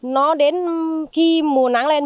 nó đến khi mùa nắng lên